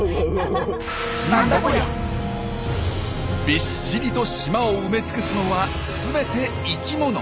びっしりと島を埋めつくすのは全て生きもの。